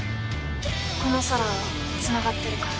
この空はつながってるから。